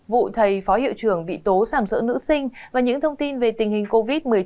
vụ thầy phó hiệu trưởng bị tố sàm sỡ nữ sinh và những thông tin về tình hình covid một mươi chín